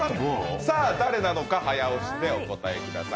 誰なのか、早押しでお答えください。